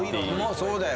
そうだよ。